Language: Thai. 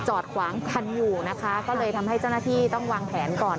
จอดขวางกันอยู่นะคะก็เลยทำให้เจ้าหน้าที่ต้องวางแผนก่อน